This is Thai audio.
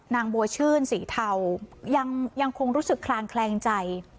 นางบัวชื่นสีเทายังคงรู้สึกคลางแคลงใจ